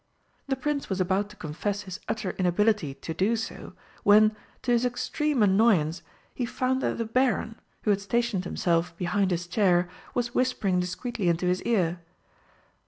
The Prince was about to confess his utter inability to do so, when, to his extreme annoyance, he found that the Baron, who had stationed himself behind his chair, was whispering discreetly into his ear.